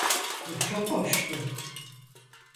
Bu çok hoştu.